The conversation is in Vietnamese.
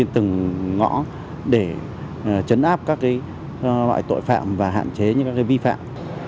từng ngõ để chấn áp các loại tội phạm và hạn chế những vi phạm